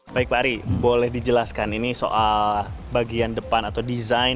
baik pak ari boleh dijelaskan ini soal bagian depan atau desain